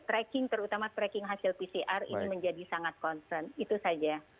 tracking terutama tracking hasil pcr ini menjadi sangat concern itu saja